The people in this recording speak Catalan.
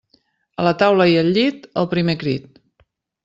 A la taula i al llit, al primer crit.